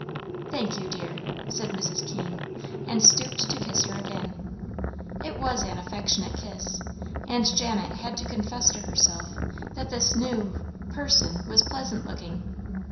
"Thank you, dear," said Mrs. Keene, and stooped to kiss her again. It was an affectionate kiss, and Janet had to confess to herself that this new person was pleasant looking.